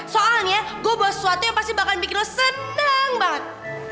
soalnya gue buat sesuatu yang pasti bakal bikin lo seneng banget